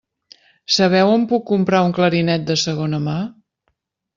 Sabeu on puc comprar un clarinet de segona mà?